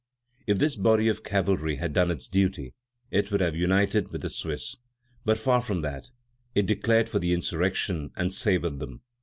If this body of cavalry had done its duty, it would have united with the Swiss. But, far from that, it declared for the insurrection, and sabred them.